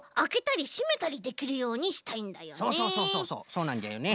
そうなんじゃよね。